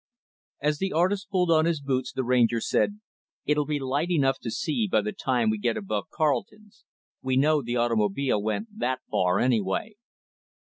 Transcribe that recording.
As the artist pulled on his boots, the Ranger said, "It'll be light enough to see, by the time we get above Carleton's. We know the automobile went that far anyway."